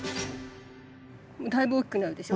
だいぶ大きくなるでしょ。